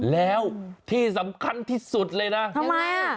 แล้วที่สำคัญที่สุดเลยนะทำไมอ่ะ